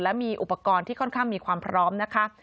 และมีอุปกรณ์ที่ค่อนข้างมีความพร้อมนะคะ